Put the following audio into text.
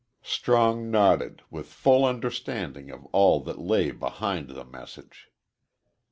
Strong nodded, with full understanding of all that lay behind the message.